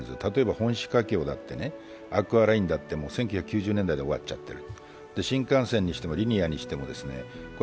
例えば本四架橋とかアクアラインだって１９９０年代で終わっちゃっている。